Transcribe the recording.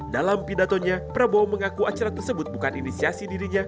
dalam pidatonya prabowo mengaku acara tersebut bukan inisiasi dirinya